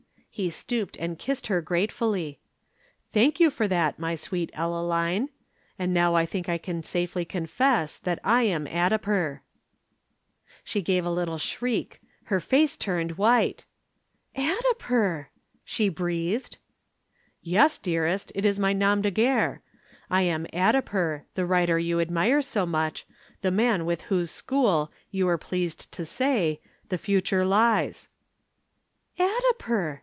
He stooped and kissed her gratefully. "Thank you for that, my sweet Ellaline. And now I think I can safely confess that I am Addiper." She gave a little shriek. Her face turned white. "Addiper!" she breathed. "Yes, dearest, it is my nom de guerre. I am Addiper, the writer you admire so much, the man with whose school, you were pleased to say, the future lies." "Addiper!"